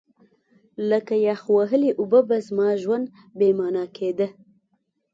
لکه یخ وهلې اوبه به زما ژوند بې مانا کېده.